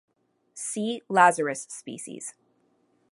"See Lazarus species"